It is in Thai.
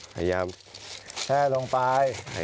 พยายามแช่ลงไป